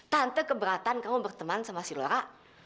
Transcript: tante keberatan kamu berteman sama si lora